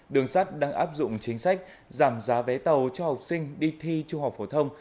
đường sắt đang áp dụng chính sách giảm giá vé tàu cho học sinh đi thi trung học phổ thông